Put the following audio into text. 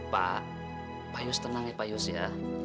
pak yus tenang ya pak yus ya